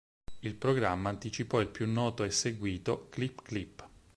Il programma anticipò il più noto e seguito "Clip Clip".